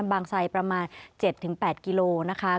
บางไซด์ประมาณ๗๘กิโลนะคะ